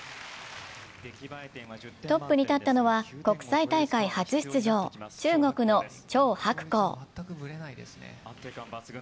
トップに立ったのは国際大会初出場、中国の張博恒。